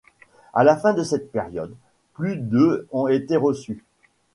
À la fin de cette période, plus de ont été reçues.